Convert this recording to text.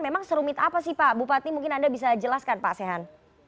memang serumit apa sih pak bupati mungkin anda bisa jelaskan pak sehan